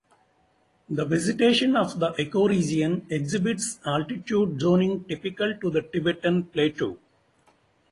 The vegetation of the ecoregion exhibits altitude zoning typical to the Tibetan Plateau.